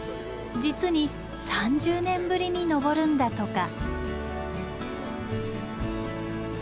実に３０年ぶりに登るんだとか。